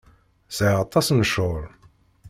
Sɛiɣ aṭas n ccɣel.